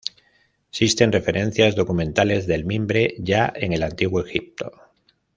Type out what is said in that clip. Existen referencias documentales del mimbre ya en el Antiguo Egipto.